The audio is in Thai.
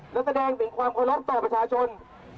และแสดงถึงความเคารพต่อประชาชน